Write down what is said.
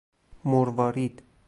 مروارید